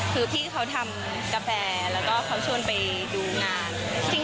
คือพี่เขาทำกาแฟแล้วก็เขาชวนไปดูงาน